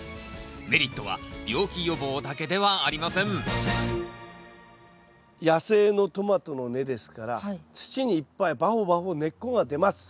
メリットは病気予防だけではありません野生のトマトの根ですから土にいっぱいばほばほ根っこが出ます。